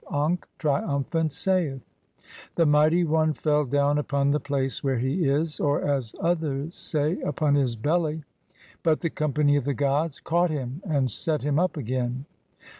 83 KHU IN THE UNDERWORLD, (i) Osiris, Auf ankh, triumphant, saith :— "The Mighty One fell down upon the place where he is, or '(as others say), upon his belly, but the company of the gods 'caught him and set him up again.